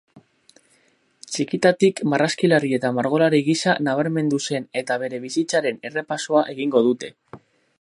Txikitatik marrazkilari eta margolari gisa nabarmendu zen eta bere bizitzaren errepasoa egingo dute.